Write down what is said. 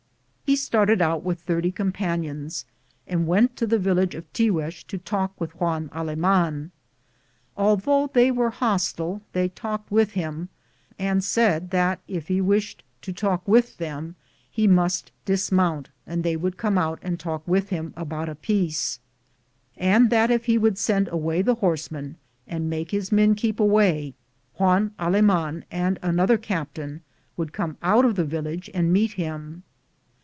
He started out with about 30 companions and went to the village of Tiguex to talk with Juan Aleman. Al though they were hostile, they talked with him and said that if he wished to talk with them he must dismount and they would come out and talk with him about a peace, and that if he would send away the horse Halms* i,, Google THB JOUBMET OP COBONADO men and make his men keep away, Juan Aleman and another captain would come out of the village and meet him.